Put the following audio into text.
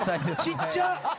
ちっちゃ。